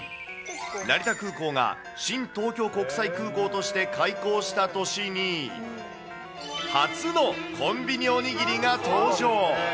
成田空港が新東京国際空港として開港した年に、初のコンビニおにぎりが登場。